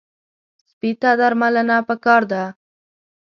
سپي ته درملنه پکار ده.